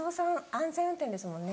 安全運転ですもんね。